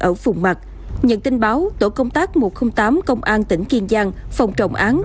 ở phùng mặt nhận tin báo tổ công tác một trăm linh tám công an tỉnh kiên giang phòng trọng án